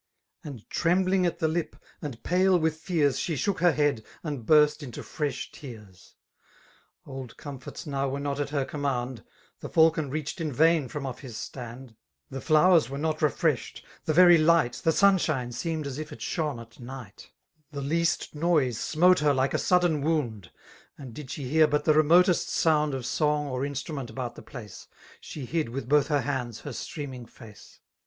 And trembling at the lip, and pale with fears, She^hook her head, and b«^t into fresh tears* Old comforts now were not at her command: The fakon reached, in vain from off his standi The flowers were not refreshed ; the very light. The sunshine^ seepied as if it shone at night; 89 The leastneiie sioaote her like arsvddeB wound; And did ribe bear but the remotest soiiBd Of song or instrument about the plaice> . She hid with both her hands her streaming face.